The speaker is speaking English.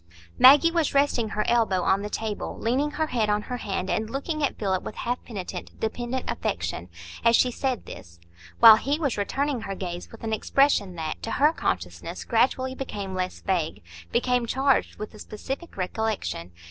Maggie was resting her elbow on the table, leaning her head on her hand and looking at Philip with half penitent dependent affection, as she said this; while he was returning her gaze with an expression that, to her consciousness, gradually became less vague,—became charged with a specific recollection.